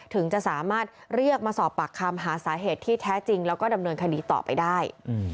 ถึงจะสามารถเรียกมาสอบปากคำหาสาเหตุที่แท้จริงแล้วก็ดำเนินคดีต่อไปได้